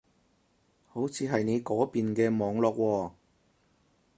好似係你嗰邊嘅網絡喎